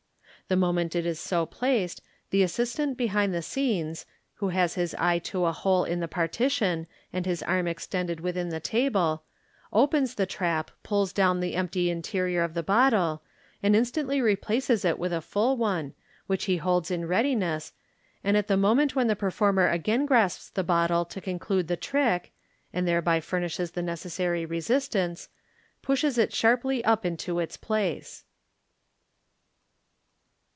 The moment it is so placed, the assistant behind the scenes, who has his eye to a hole in the partition, and his arm extended within the table, opens the trap, pulls down the empty interior of the bottle, and instantly replaces it with a full one, which he holds in readiness, and at the moment when the performer again grasps the bottle to con tinue the trick (and thereby furnishes the necessary ' dsistaiice), pushes it sharply up into its place.